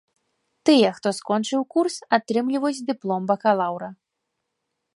Тыя, хто скончыў курс, атрымліваюць дыплом бакалаўра.